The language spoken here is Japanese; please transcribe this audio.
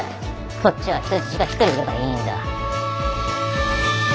こっちは人質が１人いればいいんだ。